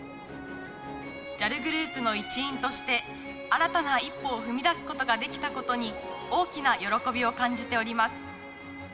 ＪＡＬグループの一員として、新たな一歩を踏み出すことができたことに、大きな喜びを感じております。